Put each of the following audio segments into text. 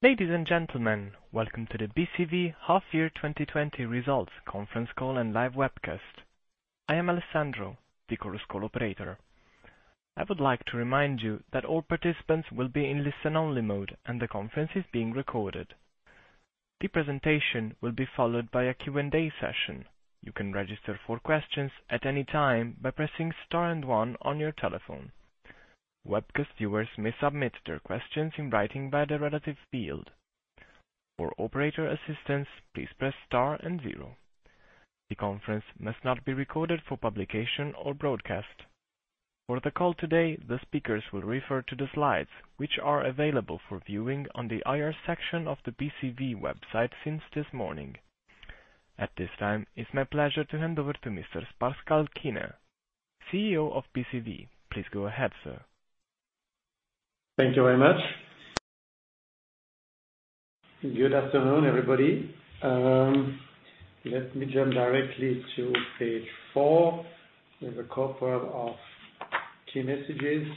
Ladies and gentlemen, welcome to the BCV Half Year 2020 Results Conference Call and live webcast. I am Alessandro, the Chorus Call operator. I would like to remind you that all participants will be in listen-only mode, and the conference is being recorded. The presentation will be followed by a Q&A session. You can register for questions at any time by pressing star and one on your telephone. Webcast viewers may submit their questions in writing by the relative field. For operator assistance, please press star and zero. The conference must not be recorded for publication or broadcast. For the call today, the speakers will refer to the slides, which are available for viewing on the IR section of the BCV website since this morning. At this time, it's my pleasure to hand over to Mr. Pascal Kiener, CEO of BCV. Please go ahead, sir. Thank you very much. Good afternoon, everybody. Let me jump directly to page four with a couple of key messages.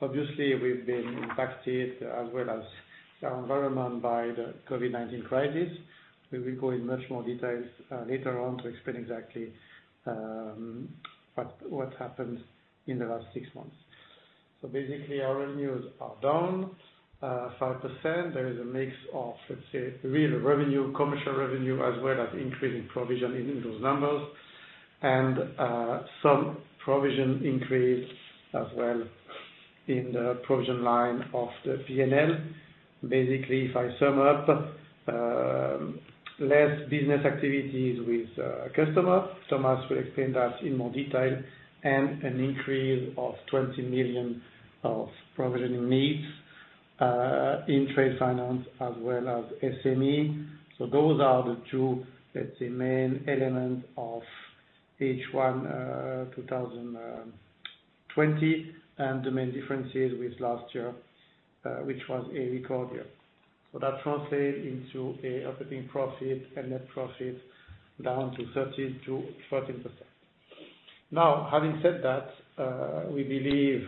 Obviously, we've been impacted, as well as our environment, by the COVID-19 crisis. We will go in much more details later on to explain exactly what happened in the last six months. Basically, our revenues are down 5%. There is a mix of, let's say, real revenue, commercial revenue, as well as increase in provision in those numbers, and some provision increase as well in the provision line of the P&L. Basically, if I sum up, less business activities with customers, Thomas will explain that in more detail, and an increase of 20 million of provisioning needs in trade finance as well as SME. Those are the two, let's say, main elements of H1 2020 and the main differences with last year, which was a record year. That translates into a operating profit and net profit down to 13%-14%. Now, having said that, we believe,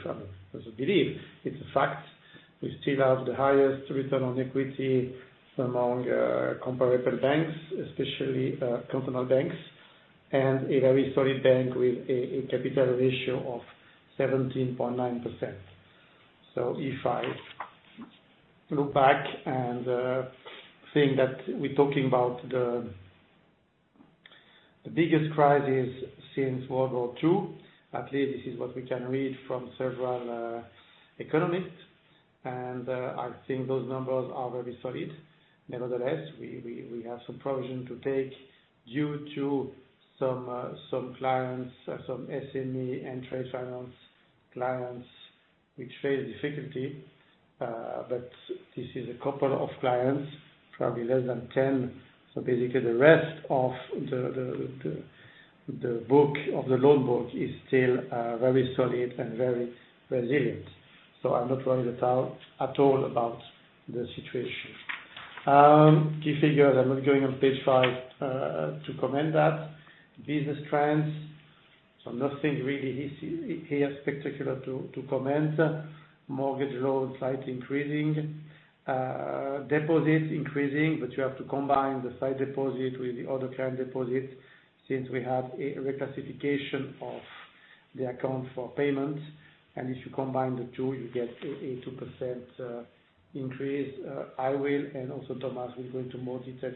it's a fact, we still have the highest return on equity among comparable banks, especially cantonal banks, and a very solid bank with a capital ratio of 17.9%. If I look back and think that we're talking about the biggest crisis since World War II, at least this is what we can read from several economists, and I think those numbers are very solid. Nevertheless, we have some provision to take due to some clients, some SME and trade finance clients, which face difficulty. This is a couple of clients, probably less than 10. Basically, the rest of the book of the loan book is still very solid and very resilient. I'm not worried at all about the situation. Key figures, I'm not going on page five to comment that. Business trends, nothing really here spectacular to comment. Mortgage loans slightly increasing. Deposits increasing, you have to combine the sight deposit with the other current deposits, since we have a reclassification of the account for payments. If you combine the two, you get a 2% increase. I will, and also Thomas will go into more details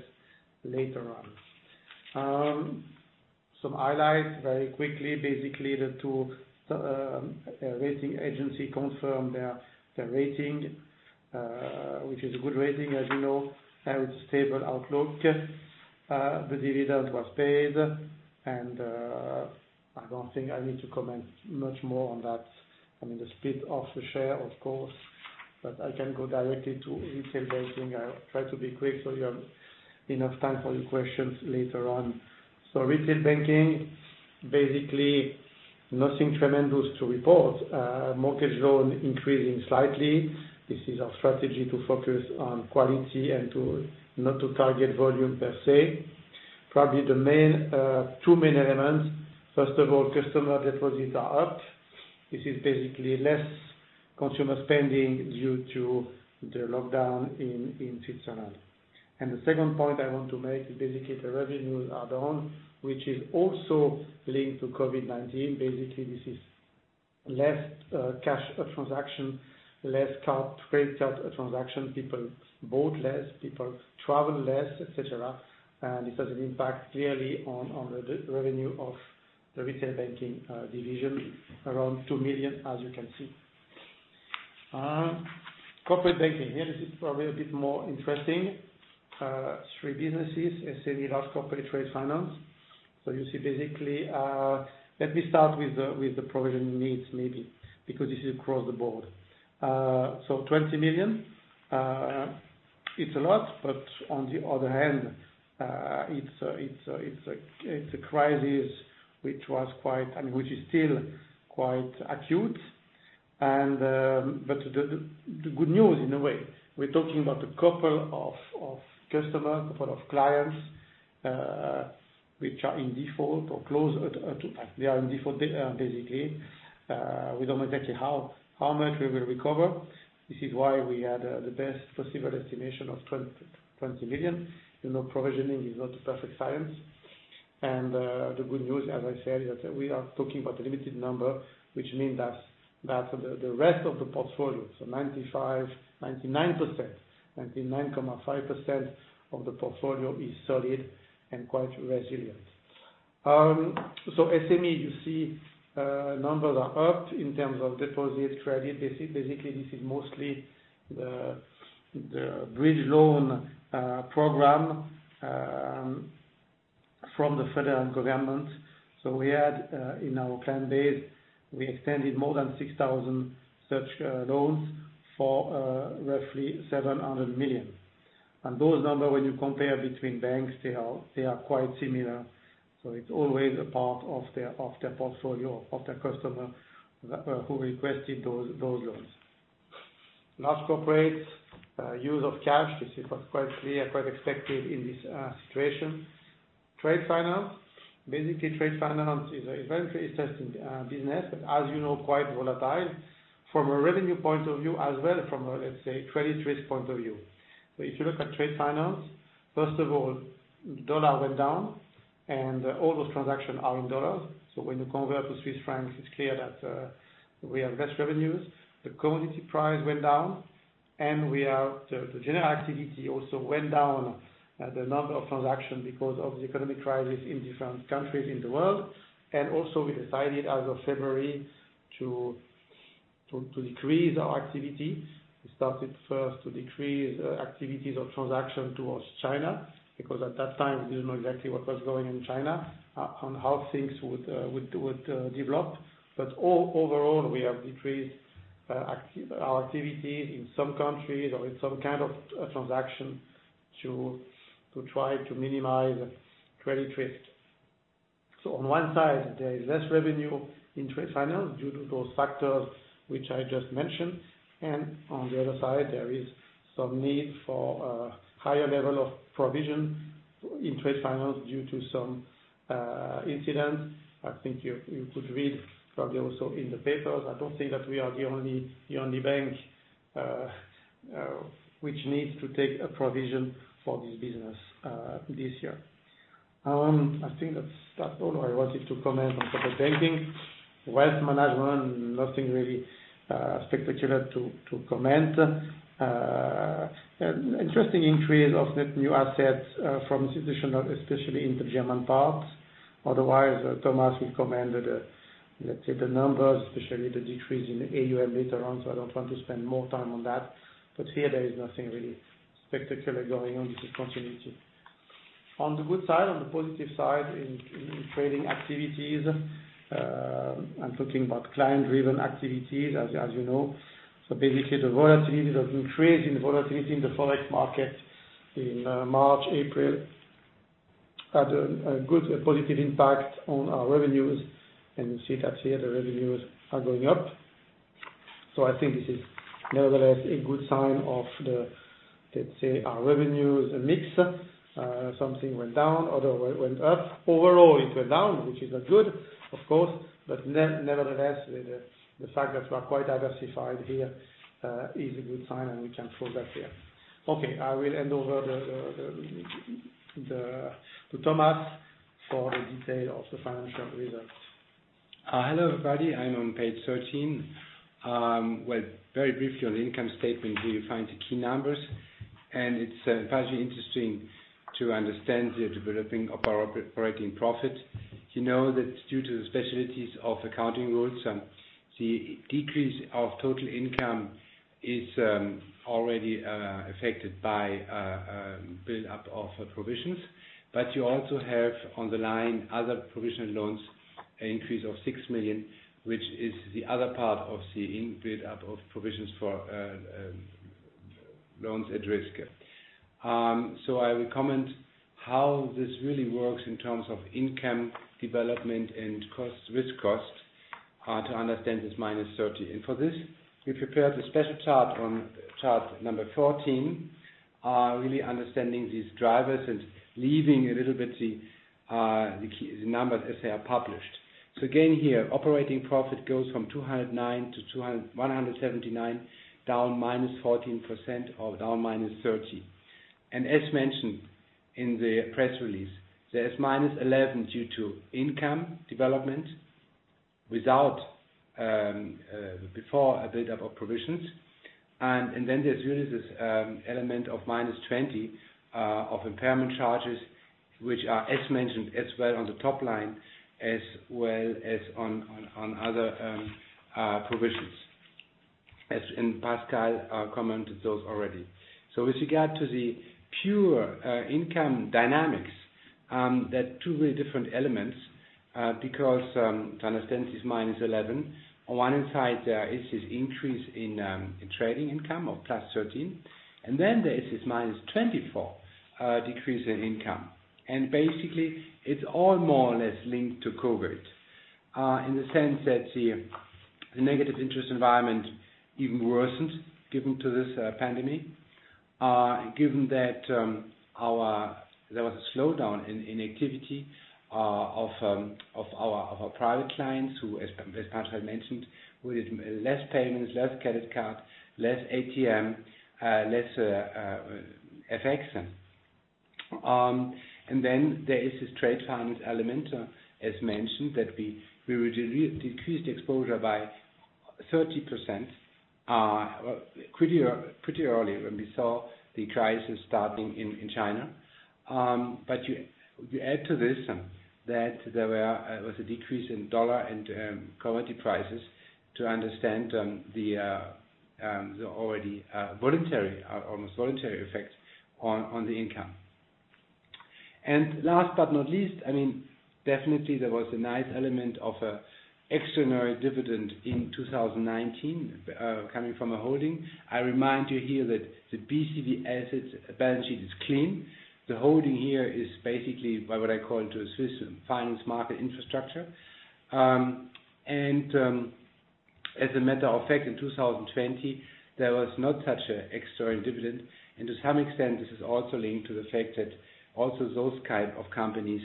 later on. Some highlights, very quickly, basically the two rating agency confirmed their rating, which is a good rating as you know, and with a stable outlook. The dividend was paid, and I don't think I need to comment much more on that. The split of the share, of course. I can go directly to retail banking. I'll try to be quick so you have enough time for your questions later on. Retail banking, basically nothing tremendous to report. Mortgage loan increasing slightly. This is our strategy to focus on quality and not to target volume per se. Probably two main elements. First of all, customer deposits are up. This is basically less consumer spending due to the lockdown in Switzerland. The second point I want to make is basically the revenues are down, which is also linked to COVID-19. Basically, this is less cash transaction, less card, credit card transaction. People bought less, people travel less, et cetera. This has an impact clearly on the revenue of the retail banking division, around 2 million as you can see. Corporate banking. Here, this is probably a bit more interesting. Three businesses, SME, large corporate, trade finance. Let me start with the provision needs maybe, because this is across the board. 20 million, it's a lot, but on the other hand, it's a crisis which is still quite acute. The good news in a way, we're talking about a couple of customers, couple of clients, which are in default or close to, they are in default, basically. We don't know exactly how much we will recover. This is why we had the best possible estimation of 20 million. Provisioning is not a perfect science. The good news, as I said, is that we are talking about a limited number, which means that the rest of the portfolio, so 95%, 99%, 99.5% of the portfolio is solid and quite resilient. SME, you see numbers are up in terms of deposits, credit. Basically, this is mostly the bridge loan program from the federal government. We had, in our plan base, we extended more than 6,000 such loans for roughly 700 million. Those numbers, when you compare between banks, they are quite similar. It's always a part of their portfolio, of their customer who requested those loans. Large corporates, use of cash. This is what quite expected in this situation. Trade finance. Trade finance is a very interesting business, but as you know, quite volatile from a revenue point of view as well from a, let's say, credit risk point of view. If you look at trade finance, first of all, U.S. dollar went down, and all those transactions are in U.S. dollars. When you convert to CHF, it's clear that we have less revenues. The commodity price went down, and the general activity also went down, the number of transactions, because of the economic crisis in different countries in the world. Also we decided as of February to decrease our activity. We started first to decrease activities of transaction towards China, because at that time, we didn't know exactly what was going in China, on how things would develop. Overall, we have decreased our activities in some countries or in some kind of transaction to try to minimize credit risk. On one side, there is less revenue in trade finance due to those factors which I just mentioned. On the other side, there is some need for a higher level of provision in trade finance due to some incidents. I think you could read probably also in the papers. I don't think that we are the only bank which needs to take a provision for this business this year. I think that's all I wanted to comment on corporate banking. Wealth management, nothing really spectacular to comment. Interesting increase of net new assets from institutional, especially in the German parts. Otherwise, Thomas will comment, let's say, the numbers, especially the decrease in AUM later on. I don't want to spend more time on that. Here there is nothing really spectacular going on. This is continuity. On the good side, on the positive side in trading activities, I'm talking about client-driven activities, as you know. Basically, the volatility, the increase in volatility in the Forex market in March, April, had a good positive impact on our revenues. You see that here the revenues are going up. I think this is nevertheless a good sign of the, let's say, our revenues mix. Something went down, other went up. Overall, it went down, which is not good, of course. Nevertheless, the fact that we are quite diversified here is a good sign, and we can prove that here. I will hand over to Thomas for the detail of the financial results. Hello, everybody. I'm on page 13. Well, very briefly on the income statement, here you find the key numbers. It's fairly interesting to understand the development of our operating profit. You know that due to the specialties of accounting rules, the decrease of total income is already affected by a build-up of provisions. You also have on the line other provision loans, an increase of 6 million, which is the other part of the build-up of provisions for loans at risk. I will comment how this really works in terms of income development and risk cost to understand this -30. For this, we prepared a special chart on chart number 14, really understanding these drivers and leaving a little bit the numbers as they are published. Again here, operating profit goes from 209 to 179, down -14% or down -30. As mentioned in the press release, there's -11 due to income development before a build-up of provisions. Then there's really this element of -20 of impairment charges, which are as mentioned as well on the top line, as well as on other provisions, as Pascal commented those already. With regard to the pure income dynamics, there are two really different elements because to understand this -11, on one side, there is this increase in trading income of plus +13, and then there is this -24 decrease in income. Basically, it's all more or less linked to COVID. In the sense that the negative interest environment even worsened given to this pandemic. Given that there was a slowdown in activity of our private clients who, as Pascal mentioned, who did less payments, less credit card, less ATM, less FX. Then there is this trade finance element, as mentioned, that we would decrease the exposure by 30%, pretty early when we saw the crisis starting in China. You add to this that there was a decrease in dollar and commodity prices to understand the almost voluntary effect on the income. Last but not least, definitely there was a nice element of an extraordinary dividend in 2019, coming from a holding. I remind you here that the BCV assets balance sheet is clean. The holding here is basically what I call into a Swiss finance market infrastructure. As a matter of fact, in 2020, there was no such extraordinary dividend. To some extent, this is also linked to the fact that also those kind of companies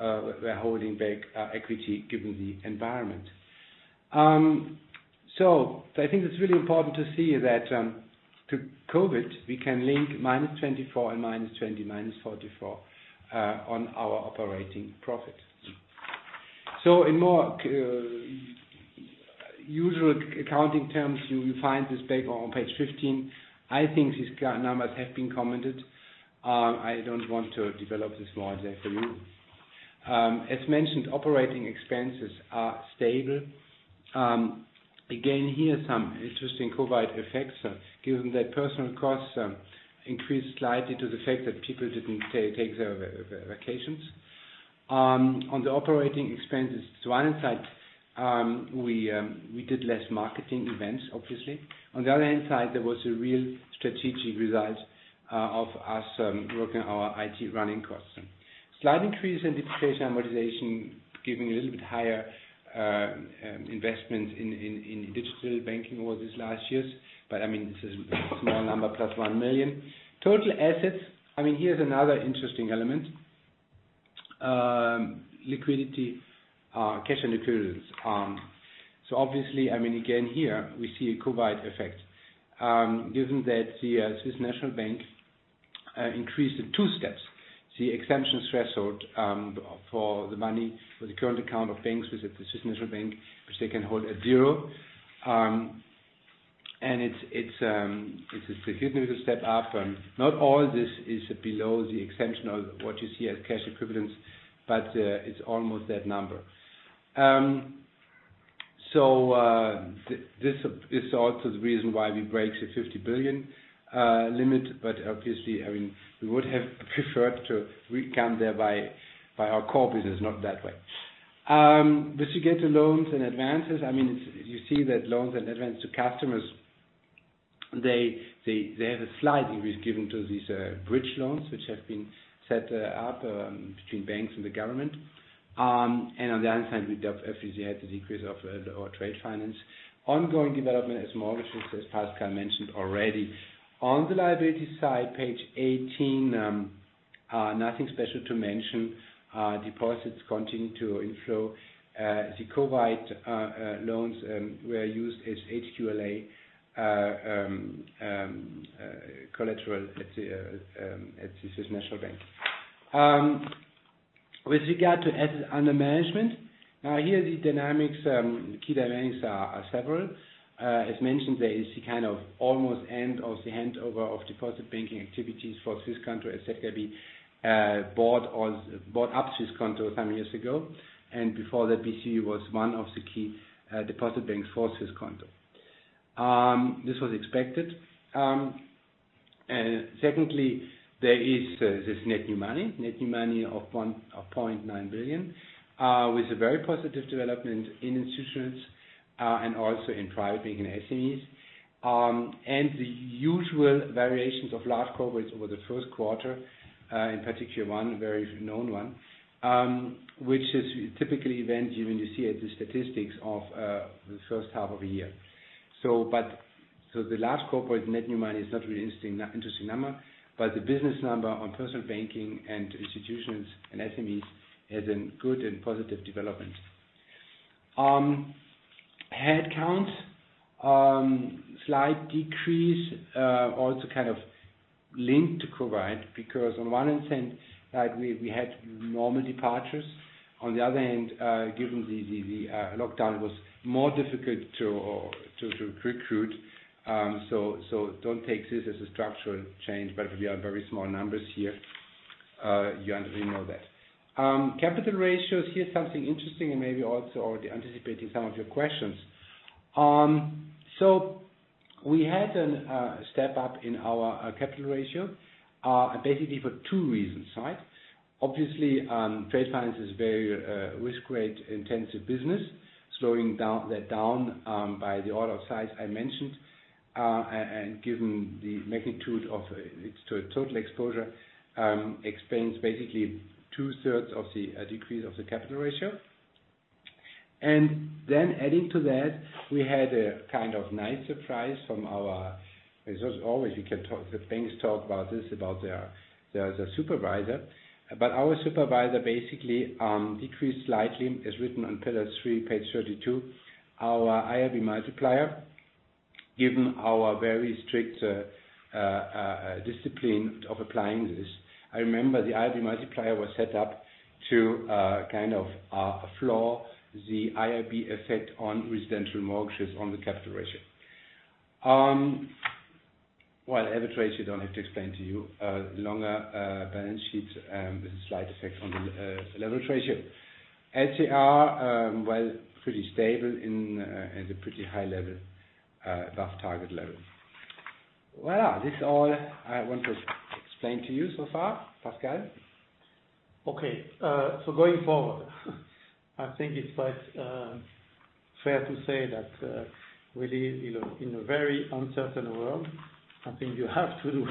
were holding back equity given the environment. I think it's really important to see that to COVID, we can link CHF-24 and -20, is -44 on our operating profit. In more usual accounting terms, you will find this paper on page 15. I think these numbers have been commented. I don't want to develop this more there for you. As mentioned, operating expenses are stable. Again, here, some interesting COVID effects, given that personal costs increased slightly to the fact that people didn't take their vacations. On the operating expenses, to one side we did less marketing events, obviously. On the other hand side, there was a real strategic result of us working our IT running costs. Slight increase in depreciation amortization, giving a little bit higher investment in digital banking over these last years. This is a small number, +1 million. Total assets. Here's another interesting element. Liquidity, cash and equivalents. Obviously, again, here we see a COVID effect. Given that the Swiss National Bank increased the two steps, the exemption threshold for the money for the current account of banks with the Swiss National Bank, which they can hold at zero. It's a significant step up. Not all this is below the exemption of what you see as cash equivalents, but it's almost that number. This is also the reason why we break the 50 billion limit. Obviously, we would have preferred to come there by our core business, not that way. With regard to loans and advances, you see that loans and advances to customers, they have a slight increase given to these bridge loans, which have been set up between banks and the government. On the other hand, we obviously had the decrease of our trade finance. Ongoing development as mortgages, as Pascal mentioned already. On the liability side, page 18, nothing special to mention. Deposits continue to inflow. The COVID loans were used as HQLA collateral at the Swiss National Bank. With regard to assets under management, here the key dynamics are several. As mentioned, there is the kind of almost end of the handover of deposit banking activities for Swisscanto as ZKB bought up Swisscanto some years ago. Before that, BCV was one of the key deposit banks for Swisscanto. This was expected. Secondly, there is this net new money. Net new money of 0.9 billion, with a very positive development in institutions, and also in private banking and SMEs. The usual variations of large corporates over the first quarter, in particular one very known one, which is typically event, even you see at the statistics of the first half of the year. The large corporate net new money is not really interesting number, but the business number on personal banking and institutions and SMEs has been good and positive development. Headcount, slight decrease, also kind of linked to COVID, because on one instance, we had normal departures. On the other hand, given the lockdown was more difficult to recruit. Don't take this as a structural change, but we are very small numbers here. You already know that. Capital ratios, here's something interesting, and maybe also already anticipating some of your questions. We had a step up in our capital ratio, basically for two reasons, right? Obviously, trade finance is very risk-grade intensive business. Slowing that down by the order of size I mentioned, and given the magnitude of its total exposure, explains basically 2/3 of the decrease of the capital ratio. Adding to that, we had a nice surprise from our as all Swiss cantonal banks, talk about this, about their supervisor. Our supervisor basically decreased slightly, as written on Pillar 3, page 32. Our IRB multiplier, given our very strict discipline of applying this. I remember the IRB multiplier was set up to floor the IRB effect on residential mortgages on the capital ratio. Leverage ratio, don't have to explain to you. Longer balance sheet, with a slight effect on the leverage ratio. LCR, pretty stable in the pretty high level, above target level. This all I want to explain to you so far, Pascal. Okay. Going forward, I think it's quite fair to say that really in a very uncertain world, I think you have to do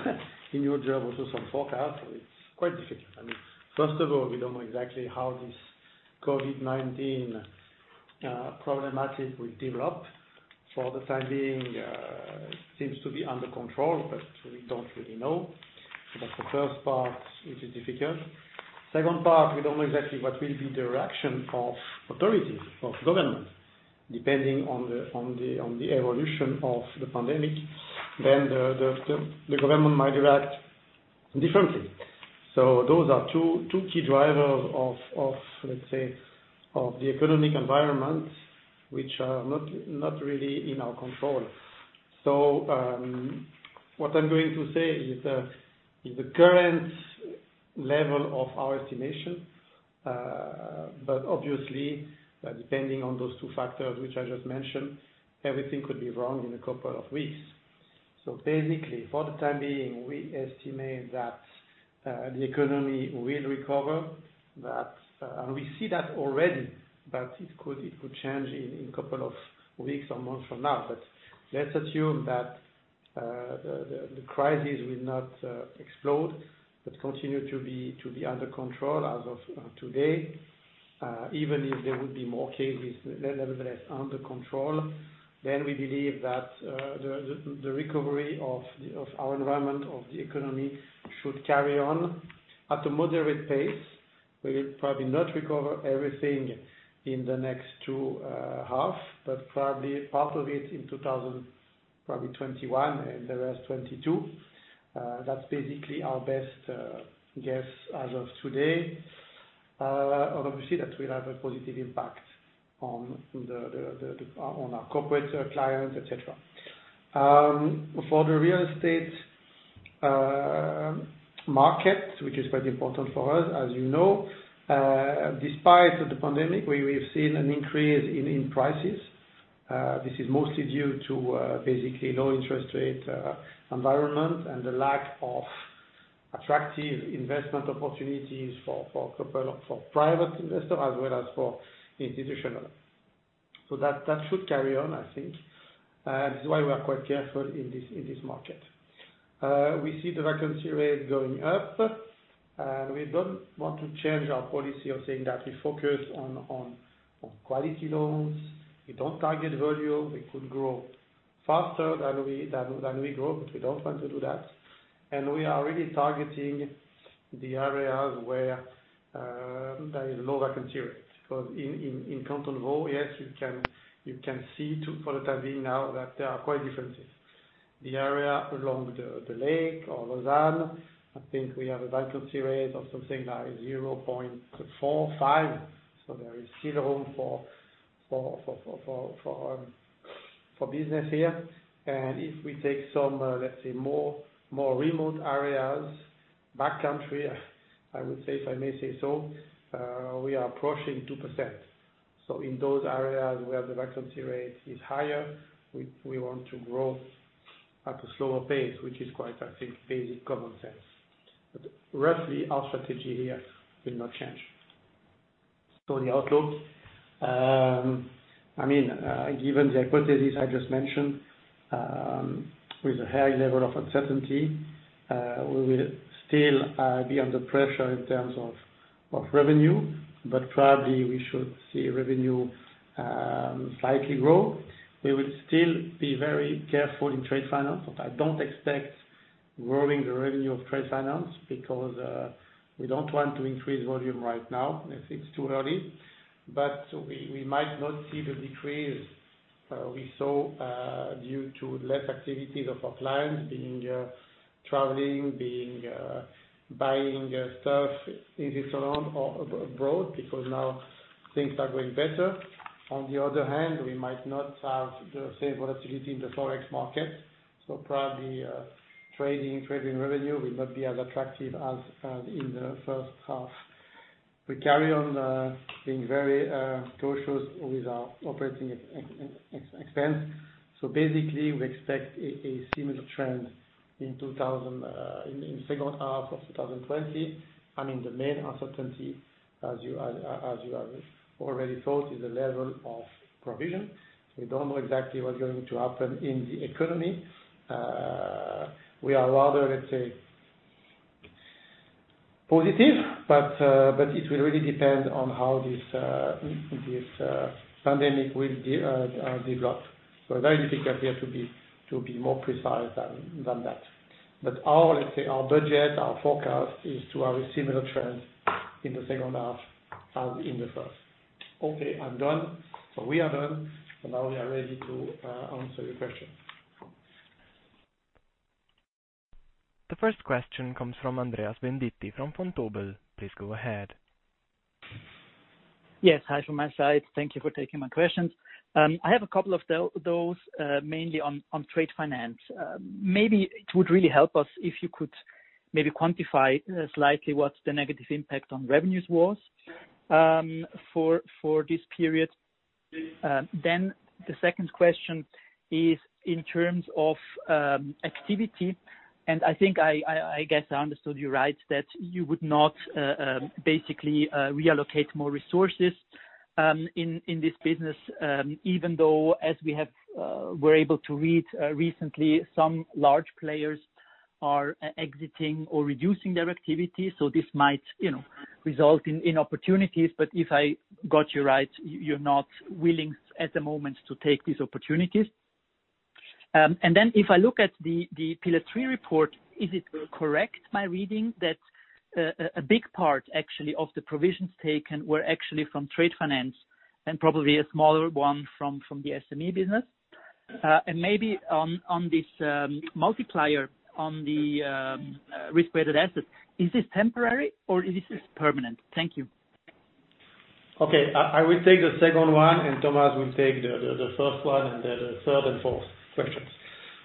in your job also some forecast. It's quite difficult. First of all, we don't know exactly how this COVID-19 problematic will develop. For the time being, seems to be under control, but we don't really know. That's the first part, which is difficult. Second part, we don't know exactly what will be the reaction of authorities, of government, depending on the evolution of the pandemic, then the government might react differently. Those are two key drivers of the economic environment, which are not really in our control. What I'm going to say is the current level of our estimation, but obviously, depending on those two factors which I just mentioned, everything could be wrong in a couple of weeks. Basically, for the time being, we estimate that the economy will recover. We see that already, but it could change in couple of weeks or months from now. Let's assume that the crisis will not explode, but continue to be under control as of today. Even if there would be more cases, nevertheless under control, we believe that the recovery of our environment, of the economy, should carry on at a moderate pace. We will probably not recover everything in the next two half, but probably part of it in 2020, probably 2021 and the rest 2022. That's basically our best guess as of today. Obviously, that will have a positive impact on our corporate clients, et cetera. For the real estate market, which is quite important for us, as you know. Despite the pandemic, we have seen an increase in prices. This is mostly due to basically low interest rate environment and the lack of attractive investment opportunities for private investors as well as for institutional. That should carry on, I think. This is why we are quite careful in this market. We see the vacancy rate going up, and we don't want to change our policy of saying that we focus on quality loans. We don't target volume. We could grow faster than we grow, but we don't want to do that. We are really targeting the areas where there is low vacancy rate. In Canton of Vaud, yes, you can see for the time being now that there are quite differences. The area along the lake or Lausanne, I think we have a vacancy rate of something like 0.45, so there is still room for business here. If we take some let's say more remote areas, backcountry, I would say, if I may say so, we are approaching 2%. In those areas where the vacancy rate is higher, we want to grow at a slower pace, which is quite, I think, basic common sense. Roughly our strategy here will not change. The outlook. Given the hypothesis I just mentioned, with a high level of uncertainty, we will still be under pressure in terms of revenue, but probably we should see revenue slightly grow. We will still be very careful in trade finance. I don't expect growing the revenue of trade finance because we don't want to increase volume right now as it's too early. We might not see the decrease we saw due to less activities of our clients being traveling, buying stuff in Switzerland or abroad, because now things are going better. On the other hand, we might not have the same volatility in the Forex market, so probably trading revenue will not be as attractive as in the first half. We carry on being very cautious with our operating expense. Basically, we expect a similar trend in second half of 2020. The main uncertainty, as you have already thought, is the level of provision. We don't know exactly what's going to happen in the economy. We are rather, let's say, positive, but it will really depend on how this pandemic will develop. Very difficult here to be more precise than that. Our budget, our forecast is to have a similar trend in the second half as in the first. Okay, I'm done. We are done. Now we are ready to answer your questions. The first question comes from Andreas Venditti from Vontobel. Please go ahead. Yes. Hi from my side. Thank you for taking my questions. I have a couple of those, mainly on trade finance. Maybe it would really help us if you could maybe quantify slightly what the negative impact on revenues was for this period? The second question is in terms of activity, and I think, I guess I understood you right, that you would not basically reallocate more resources in this business, even though as we were able to read recently, some large players are exiting or reducing their activity. So this might result in opportunities. If I got you right, you're not willing at the moment to take these opportunities? If I look at the Pillar 3 report, is it correct my reading that a big part actually of the provisions taken were actually from trade finance and probably a smaller one from the SME business? Maybe on this multiplier on the risk-weighted assets, is this temporary or is this permanent? Thank you. Okay, I will take the second one. Thomas will take the first one and then the third and fourth questions.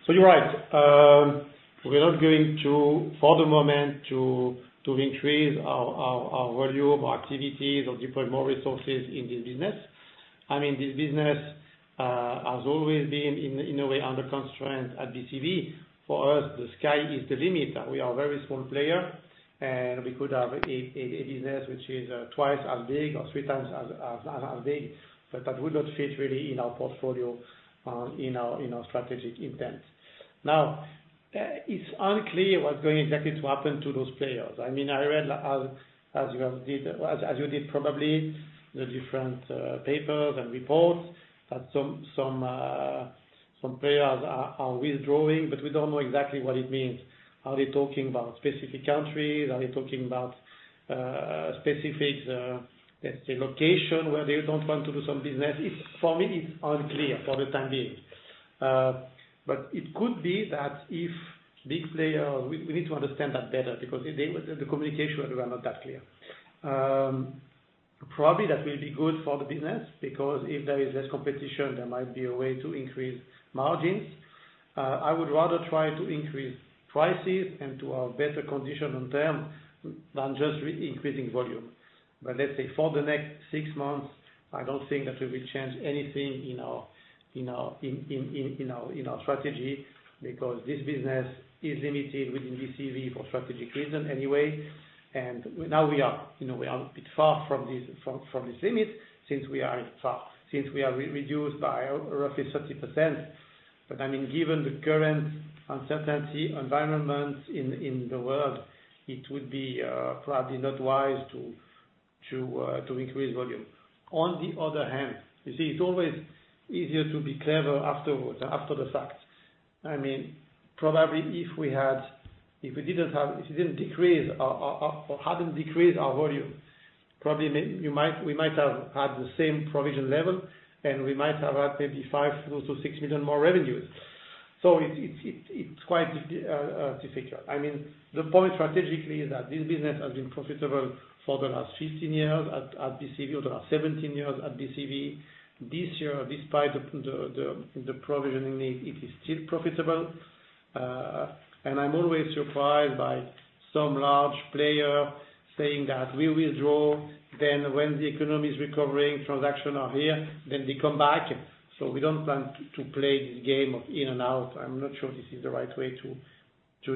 You're right. We're not going to, for the moment, to increase our volume, our activities, or deploy more resources in this business. This business has always been, in a way, under constraint at BCV. For us, the sky is the limit. We are a very small player. We could have a business which is 2x as big or 3x as big, but that would not fit really in our portfolio, in our strategic intent. Now, it's unclear what's going exactly to happen to those players. I read, as you did probably, the different papers and reports that some players are withdrawing. We don't know exactly what it means. Are they talking about specific countries? Are they talking about specific, let's say, location where they don't want to do some business? For me, it's unclear for the time being. It could be that if big player. We need to understand that better because the communication were not that clear. Probably that will be good for the business, because if there is less competition, there might be a way to increase margins. I would rather try to increase prices and to have better condition on term, than just increasing volume. Let's say for the next six months, I don't think that we will change anything in our strategy, because this business is limited within BCV for strategic reason anyway. Now we are a bit far from this limit since we are reduced by roughly 30%. Given the current uncertainty environment in the world, it would be probably not wise to increase volume. On the other hand, you see it's always easier to be clever afterwards, after the fact. Probably if we didn't decrease or hadn't decreased our volume, probably we might have had the same provision level, and we might have had maybe 5 million-6 million more revenues. It's quite difficult. The point strategically is that this business has been profitable for the last 15 years at BCV, or the last 17 years at BCV. This year, despite the provisioning need, it is still profitable. I'm always surprised by some large player saying that we withdraw, then when the economy is recovering, transaction are here, then they come back. We don't plan to play this game of in and out. I'm not sure this is the right way to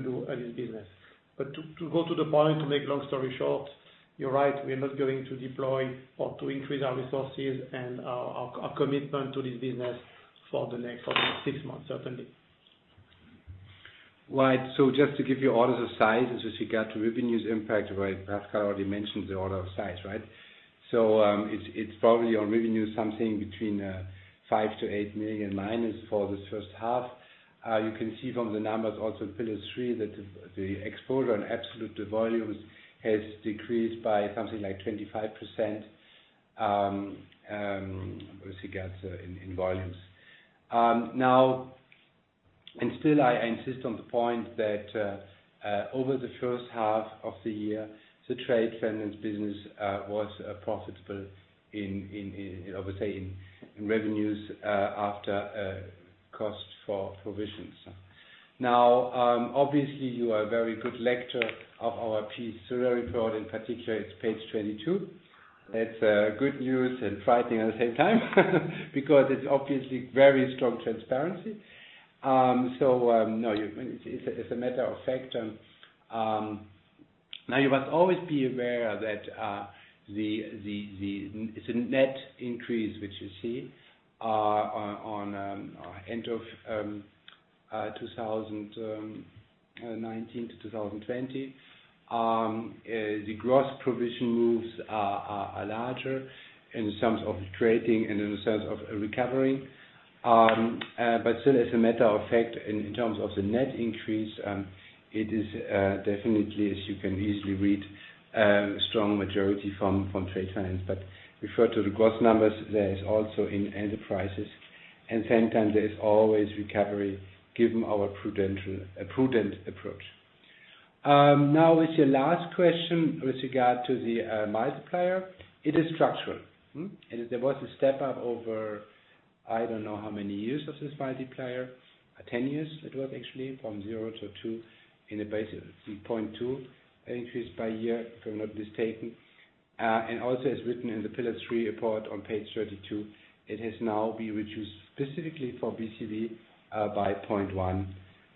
do this business. To go to the point, to make long story short, you're right, we're not going to deploy or to increase our resources and our commitment to this business for the next six months, certainly. Right. Just to give you orders of size with regard to revenues impact, Pascal already mentioned the order of size, right? It's probably on revenue something between 5 million-8 million minus for this first half. You can see from the numbers also in Pillar 3 that the exposure on absolute volumes has decreased by something like 25% with regards in volumes. Now, still I insist on the point that over the first half of the year, the trade finance business was profitable in, I would say, in revenues after cost for provisions. Now, obviously you are very good reader of our piece. Refer in particular it's page 22. It's good news and frightening at the same time because it's obviously very strong transparency. As a matter of fact, now you must always be aware that it's a net increase, which you see on end of 2019-2020. The gross provision moves are larger in terms of trading and in the sense of recovering. Still, as a matter of fact, in terms of the net increase, it is definitely, as you can easily read, strong majority from trade finance. Refer to the gross numbers, there is also in enterprises, and same time, there is always recovery given our prudent approach. With your last question with regard to the multiplier, it is structural. There was a step up over, I don't know how many years of this multiplier, 10 years it was actually from 0-2 in a basis 0.2 increase by year, if I'm not mistaken. Also as written in the Pillar 3 report on page 32, it has now been reduced specifically for BCV, by 0.1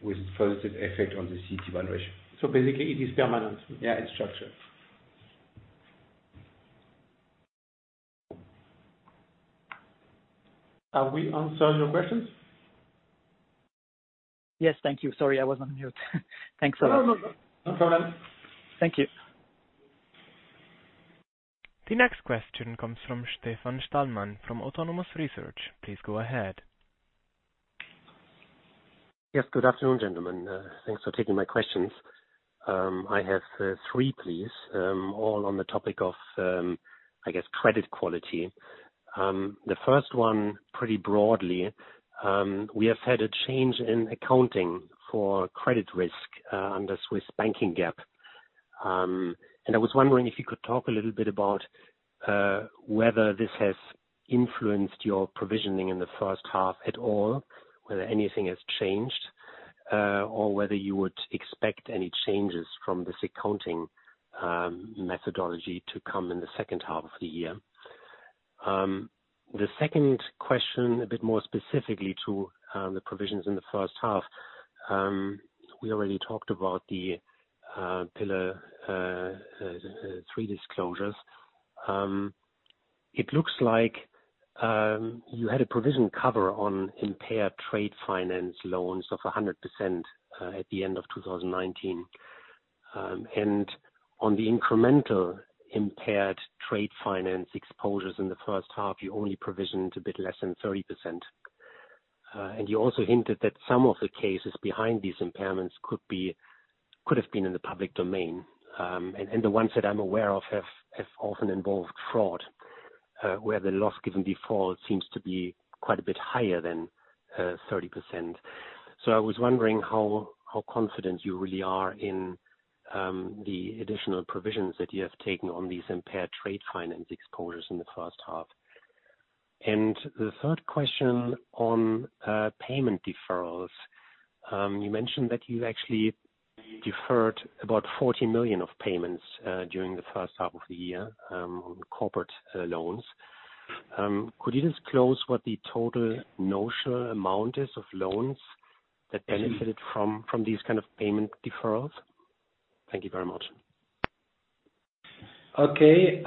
with positive effect on the CET1 ratio. Basically, it is permanent. Yeah, it's structured. Have we answered your questions? Yes, thank you. Sorry, I was on mute. Thanks a lot. No, no. No problem. Thank you. The next question comes from Stefan Stallmann from Autonomous Research. Please go ahead. Yes. Good afternoon, gentlemen. Thanks for taking my questions. I have three, please. All on the topic of, I guess, credit quality. The first one, pretty broadly, we have had a change in accounting for credit risk under Swiss GAAP. I was wondering if you could talk a little bit about whether this has influenced your provisioning in the first half at all, whether anything has changed, or whether you would expect any changes from this accounting methodology to come in the second half of the year. The second question, a bit more specifically to the provisions in the first half. We already talked about the Pillar 3 disclosures. It looks like you had a provision cover on impaired trade finance loans of 100% at the end of 2019. On the incremental impaired trade finance exposures in the first half, you only provisioned a bit less than 30%. You also hinted that some of the cases behind these impairments could have been in the public domain. The ones that I'm aware of have often involved fraud, where the loss given default seems to be quite a bit higher than 30%. I was wondering how confident you really are in the additional provisions that you have taken on these impaired trade finance exposures in the first half. The third question on payment deferrals. You mentioned that you've actually deferred about 40 million of payments during the first half of the year on corporate loans. Could you disclose what the total notional amount is of loans that benefited from these kind of payment deferrals? Thank you very much. Okay.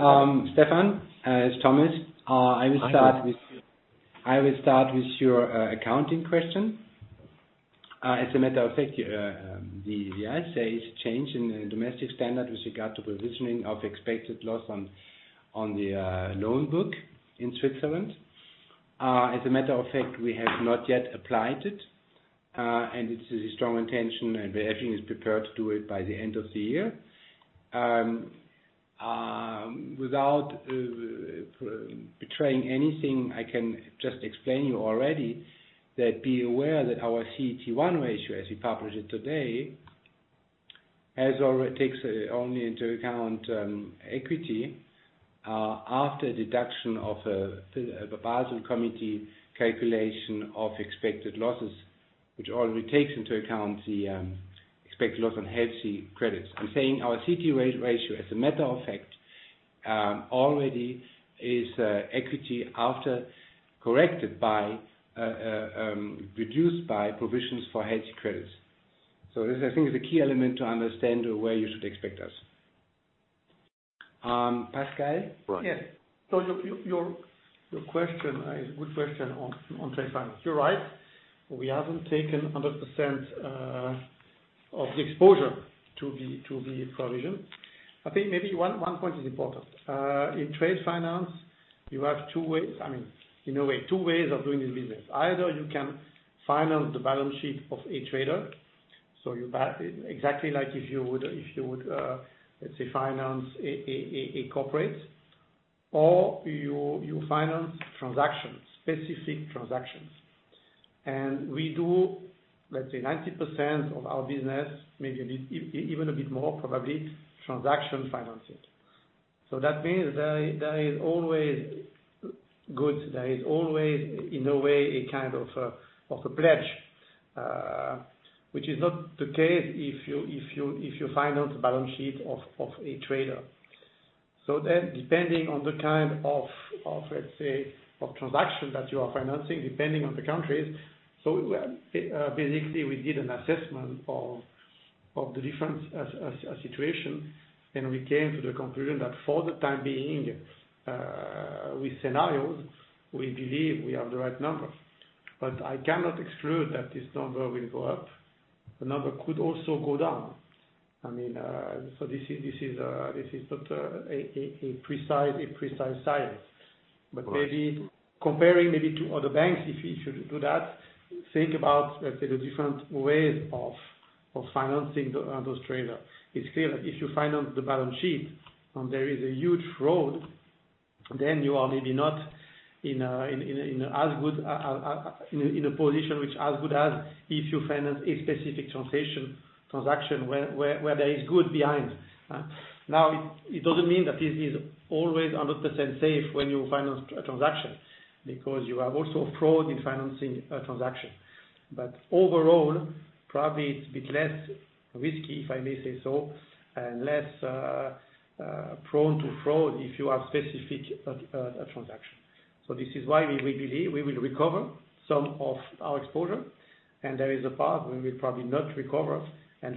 Stefan, it's Thomas. I will start with your accounting question. As a matter of fact, the IFRS is changing the domestic standard with regard to provisioning of expected loss on the loan book in Switzerland. As a matter of fact, we have not yet applied it, and it's a strong intention, and everything is prepared to do it by the end of the year. Without betraying anything, I can just explain you already that be aware that our CET1 ratio, as we publish it today, takes only into account equity, after deduction of a Basel Committee calculation of expected losses, which already takes into account the expected loss on [HVCRE] credits. I'm saying our CET1 ratio, as a matter of fact, already is equity after corrected by, reduced by provisions for [HVCRE] credits. This, I think, is a key element to understand where you should expect us. Pascal? Yes. Your question is a good question on trade finance. You're right. We haven't taken 100% of the exposure to the provision. I think maybe one point is important. In trade finance, you have two ways of doing this business. Either you can finance the balance sheet of a trader, so you buy it exactly like if you would, let's say, finance a corporate, or you finance transactions, specific transactions. We do, let's say, 90% of our business, maybe even a bit more, probably, transaction financing. That means there is always good, there is always, in a way, a kind of a pledge, which is not the case if you finance a balance sheet of a trader. Depending on the kind of, let's say, transaction that you are financing, depending on the countries. Basically, we did an assessment of the different situation, and we came to the conclusion that for the time being, with scenarios, we believe we have the right number. I cannot exclude that this number will go up. The number could also go down. This is not a precise science. Comparing maybe to other banks, if you should do that, think about, let's say, the different ways of financing those traders. It's clear that if you finance the balance sheet and there is a huge fraud, then you are maybe not in a position which are as good as if you finance a specific transaction where there is good behind. Now, it doesn't mean that this is always 100% safe when you finance a transaction, because you have also fraud in financing a transaction. Overall, probably it's a bit less risky, if I may say so, and less prone to fraud if you have specific transaction. This is why we believe we will recover some of our exposure, and there is a part we will probably not recover.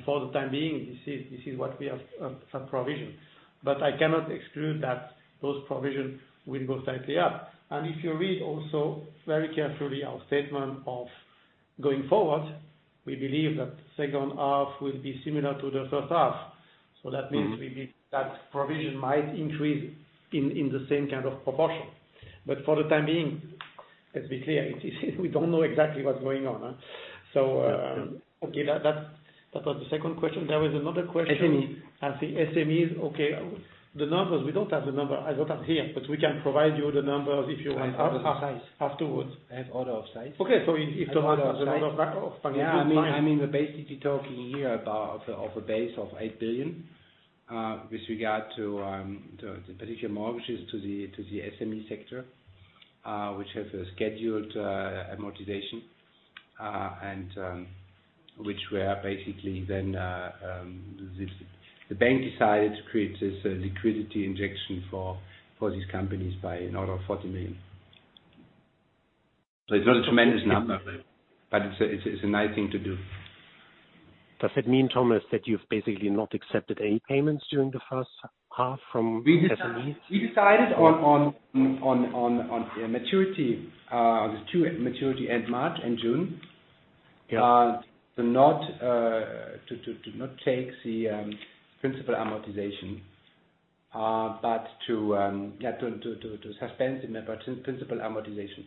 For the time being, this is what we have provisioned. I cannot exclude that those provisions will go slightly up. If you read also very carefully our statement of going forward, we believe that second half will be similar to the first half. That means we believe that provision might increase in the same kind of proportion. For the time being, let's be clear, we don't know exactly what's going on. Okay, that was the second question. There was another question. SMEs. I think SMEs. Okay. The numbers, we don't have the number. I don't have here, but we can provide you the numbers if you want afterwards. I have order of size. Okay. if Thomas has the number of- Yeah. I mean, basically talking here about of a base of 8 billion, with regard to the particular mortgages to the SME sector, which have a scheduled amortization, which were basically then the bank decided to create this liquidity injection for these companies by an order of 40 million. It's not a tremendous number, but it's a nice thing to do. Does that mean, Thomas, that you've basically not accepted any payments during the first half from SMEs? We decided on maturity, there's two maturity, end March and June. To not take the principal amortization, but to suspend the principal amortization.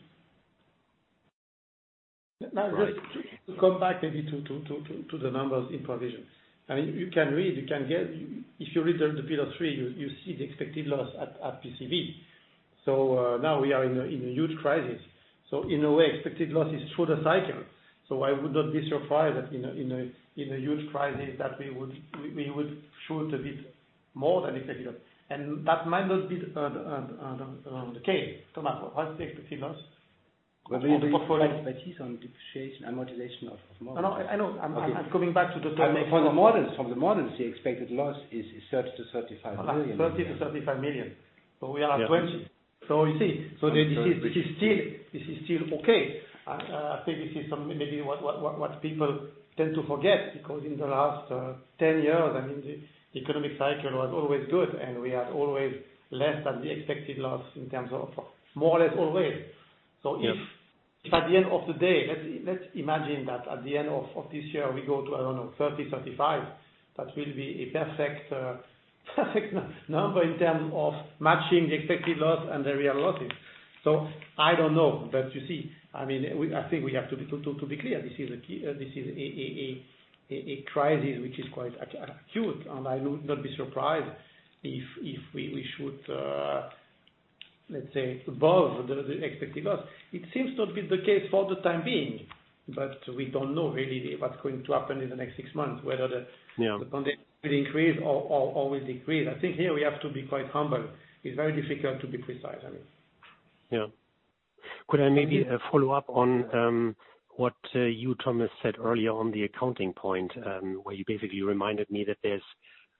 Just to come back maybe to the numbers in provision. You can read, if you read the Pillar 3, you see the expected loss at BCV. Now we are in a huge crisis. In a way, expected loss is through the cycle. I would not be surprised that in a huge crisis that we would shoot a bit more than expected. That might not be the case. Thomas, what's the expected loss of the portfolio? Based on depreciation and amortization of models. No, I know. From the models, the expected loss is 30 million-35 million. 30 million-35 million. We are at 20 million. You see. This is still okay. I think this is maybe what people tend to forget, because in the last 10 years, the economic cycle was always good, and we had always less than the expected loss in terms of more or less always. If at the end of the day, let's imagine that at the end of this year, we go to, I don't know, 30 million-35 million, that will be a perfect number in terms of matching the expected loss and the real losses. I don't know. You see, I think we have to be clear. This is a crisis which is quite acute, and I would not be surprised if we should, let's say, above the expected loss. It seems to be the case for the time being, but we don't know really what's going to happen in the next six months. Yeah condition will increase or will decrease. I think here we have to be quite humble. It's very difficult to be precise. Yeah. Could I maybe follow up on what you, Thomas, said earlier on the accounting point, where you basically reminded me that there's,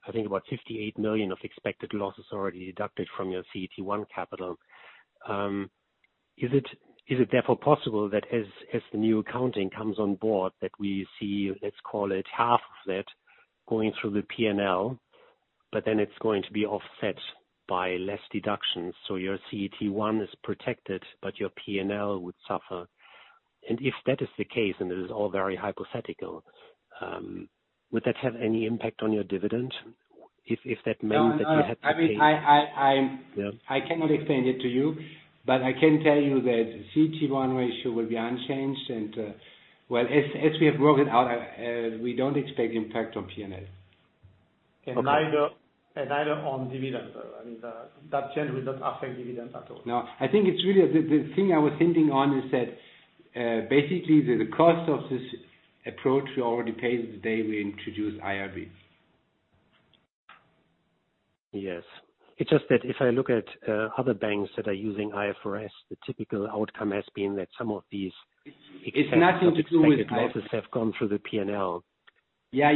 I think, about 58 million of expected losses already deducted from your CET1 capital. Is it therefore possible that as the new accounting comes on board that we see, let's call it half of that, going through the P&L, but then it's going to be offset by less deductions? Your CET1 is protected, but your P&L would suffer. If that is the case, and this is all very hypothetical, would that have any impact on your dividend? If that means that you have to pay. I cannot explain it to you, but I can tell you that CET1 ratio will be unchanged, and well, as we have worked it out, we don't expect impact on P&L. Okay. Neither on dividends. That change will not affect dividends at all. No. I think it's really the thing I was hinting on is that, basically, the cost of this approach we already paid the day we introduced IRBs. Yes. It's just that if I look at other banks that are using IFRS, the typical outcome has been that some of these- It's nothing to do with- Expected losses have gone through the P&L. I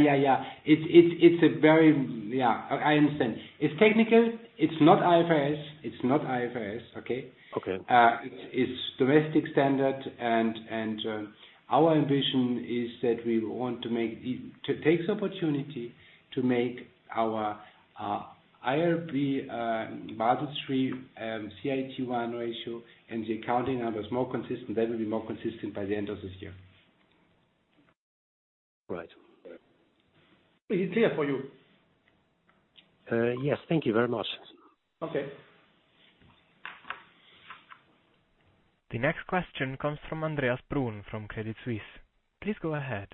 understand. It's technical. It's not IFRS. Okay? Okay. It's domestic standard, and our ambition is that we want to take this opportunity to make our IRB Basel III and CET1 ratio and the accounting numbers more consistent. That will be more consistent by the end of this year. Right. Is it clear for you? Yes. Thank you very much. Okay. The next question comes from Andreas Brun from Credit Suisse. Please go ahead.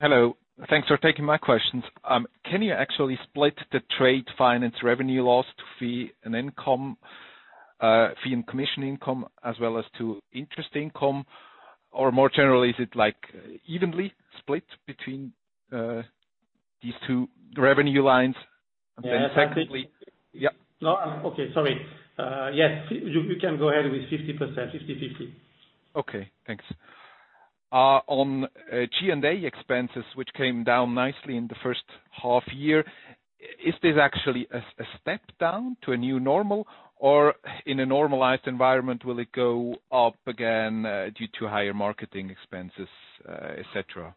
Hello. Thanks for taking my questions. Can you actually split the trade finance revenue loss to fee and commission income, as well as to interest income? More generally, is it evenly split between these two revenue lines? Yeah. Yeah. No, okay. Sorry. Yes, you can go ahead with 50%. 50/50. Okay, thanks. On G&A expenses, which came down nicely in the first half year, is this actually a step down to a new normal? Or in a normalized environment, will it go up again, due to higher marketing expenses, et cetera?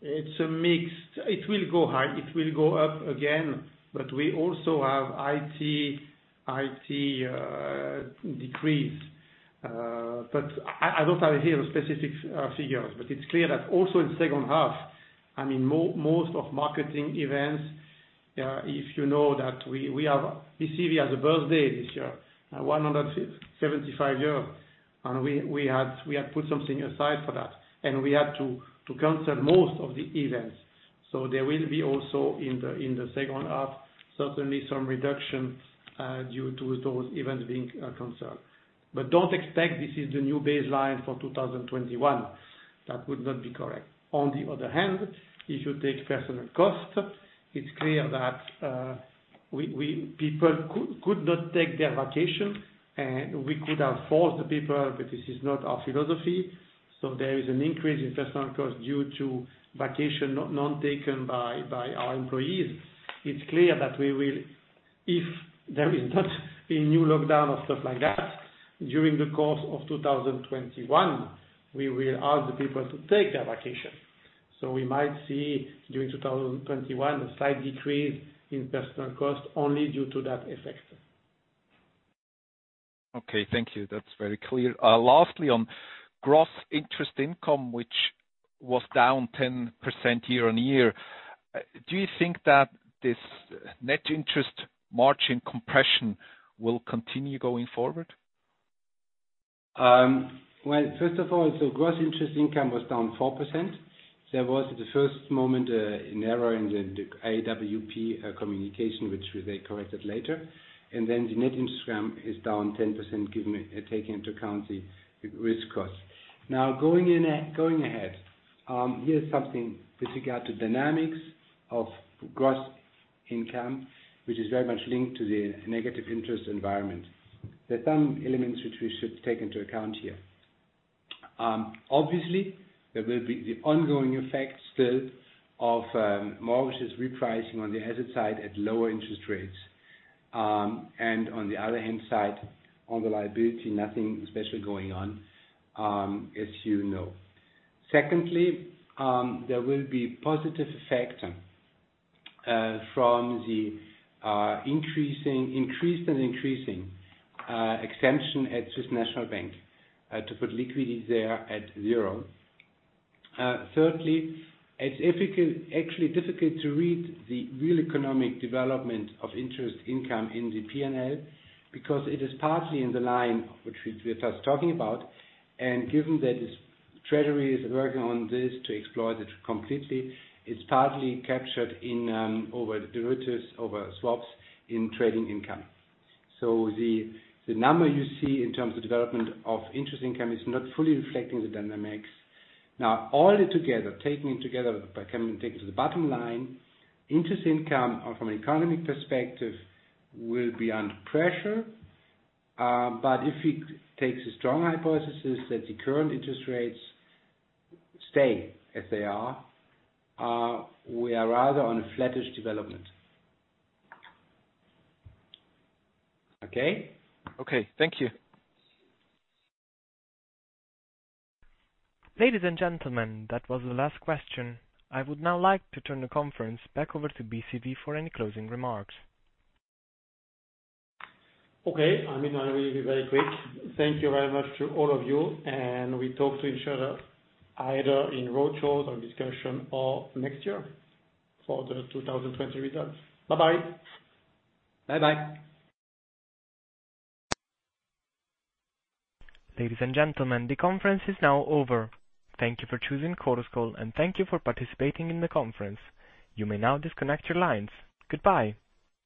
It's a mix. It will go up again. We also have IT decrease. I don't have here specific figures, but it's clear that also in second half, most of marketing events, if you know that we have BCV has a birthday this year, 175 years, and we had put something aside for that, and we had to cancel most of the events. There will be also in the second half, certainly some reduction, due to those events being canceled. Don't expect this is the new baseline for 2021. That would not be correct. On the other hand, if you take personal cost, it's clear that people could not take their vacation, and we could have forced the people, but this is not our philosophy. There is an increase in personal cost due to vacation not taken by our employees. It's clear that we will, if there is not a new lockdown or stuff like that, during the course of 2021, we will ask the people to take their vacation. We might see, during 2021, a slight decrease in personal cost only due to that effect. Okay. Thank you. That's very clear. Lastly, on gross interest income, which was down 10% year-on-year, do you think that this net interest margin compression will continue going forward? First of all, gross interest income was down 4%. There was the first moment, an error in the AWP communication, which they corrected later. The net interest income is down 10%, taking into account the risk cost. Now, going ahead, here's something with regard to dynamics of gross income, which is very much linked to the negative interest environment. There are some elements which we should take into account here. Obviously, there will be the ongoing effect still of mortgages repricing on the asset side at lower interest rates. On the other hand side, on the liability, nothing especially going on, as you know. Secondly, there will be positive effect from the increased and increasing exemption at Swiss National Bank to put liquidity there at zero. Thirdly, it's actually difficult to read the real economic development of interest income in the P&L, because it is partly in the line which we are just talking about, and given that treasury is working on this to exploit it completely, it's partly captured in over derivatives, over swaps, in trading income. The number you see in terms of development of interest income is not fully reflecting the dynamics. All in together, taken together, if I can take it to the bottom line, interest income from an economic perspective will be under pressure. If we take the strong hypothesis that the current interest rates stay as they are, we are rather on a flattish development. Okay? Okay. Thank you. Ladies and gentlemen, that was the last question. I would now like to turn the conference back over to BCV for any closing remarks. Okay. I mean, I will be very quick. Thank you very much to all of you, and we talk to each other either in road shows or discussion or next year for the 2020 results. Bye-bye. Bye-bye. Ladies and gentlemen, the conference is now over. Thank you for choosing Chorus Call, and thank you for participating in the conference. You may now disconnect your lines. Goodbye.